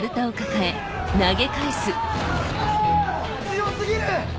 強過ぎる！